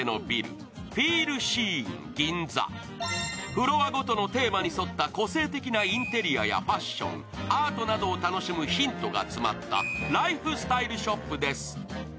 フロアごとのテーマに沿った個性的なインテリアやファッションアートなどを楽しむヒントが詰まったライフスタイルショップです。